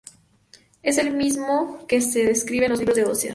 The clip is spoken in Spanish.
Es el mismo que se describe en el Libro de Oseas.